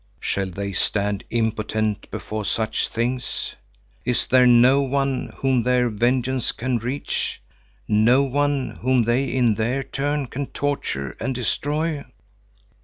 Shall they stand impotent before such things? Is there no one whom their vengeance can reach, no one whom they in their turn can torture and destroy?